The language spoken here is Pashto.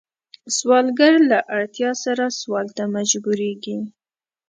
سوالګر له اړتیا سره سوال ته مجبوریږي